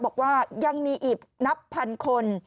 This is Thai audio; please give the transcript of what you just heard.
บอกว่ายังมีอีกนับพันคน